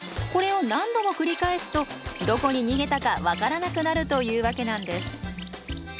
これを何度も繰り返すとどこに逃げたか分からなくなるというわけなんです。